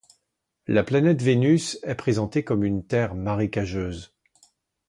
La planète Vénus est présentée comme une terre marécageuse.